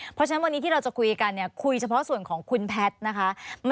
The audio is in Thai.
เพราะฉะนั้นวันนี้ที่เราจะคุยกันเนี่ยคุยเฉพาะส่วนของคุณแพทย์นะคะ